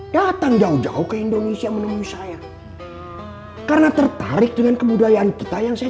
datang jauh jauh ke indonesia menemui saya karena tertarik dengan kebudayaan kita yang saya